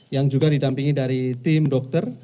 yang juga didampingi dari tim dokter